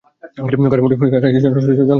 কাঠামোটি কাছাকাছি জনসংখ্যা থেকে দূরে অবস্থিত।